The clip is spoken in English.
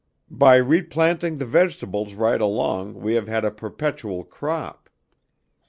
By replanting the vegetables right along we have had a perpetual crop.